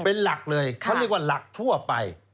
เป็นหลักเลยเขาเรียกว่าหลักทั่วไป